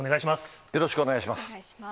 よろしくお願いします。